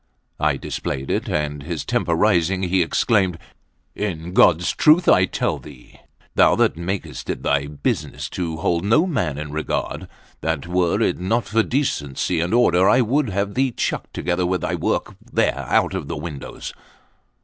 I displayed it; and his temper rising, he exclaimed: "In God's truth I tell thee, thou that makest it thy business to hold no man in regard, that, were it not for decency and order, I would have thee chucked together with thy work there out of windows."